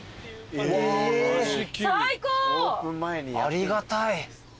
ありがたい。